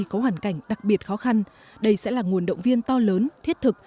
có hoàn cảnh đặc biệt khó khăn đây sẽ là nguồn động viên to lớn thiết thực